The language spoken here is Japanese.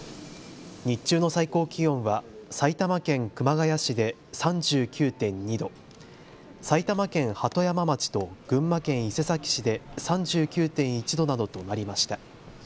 日中の最高気温は埼玉県熊谷市で３９．２度、埼玉県鳩山町と群馬県伊勢崎市で３９．１度などとなりました。